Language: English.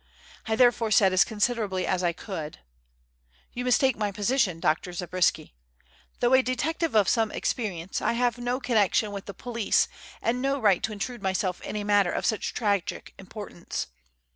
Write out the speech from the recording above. I therefore said as considerately as I could: "You mistake my position, Dr. Zabriskie. Though a detective of some experience, I have no connection with the police and no right to intrude myself in a matter of such tragic importance.